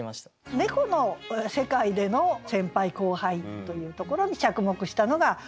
猫の世界での先輩・後輩というところに着目したのが面白いですよね。